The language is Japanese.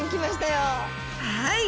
はい！